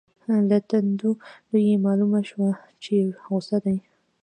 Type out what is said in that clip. له تندو یې مالومه شوه چې غصه دي.